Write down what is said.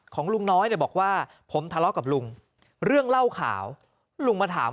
ของลุงน้อยเนี่ยบอกว่าผมทะเลาะกับลุงเรื่องเล่าข่าวลุงมาถาม